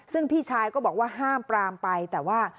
ซึ่งพี่ชายก็บอกว่าห้ามปรามไปแต่ว่า